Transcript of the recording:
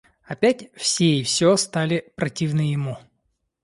Опять все и всё стали противны ему.